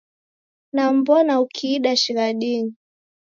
Nam'mbona ukiida shighadinyi.